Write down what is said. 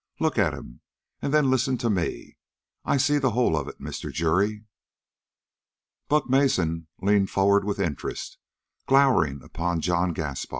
Look at him, and then listen to me. I see the whole of it, Mr. Jury." Buck Mason leaned forward with interest, glowering upon John Gaspar.